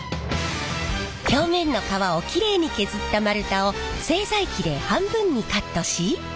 表面の皮をきれいに削った丸太を製材機で半分にカットし。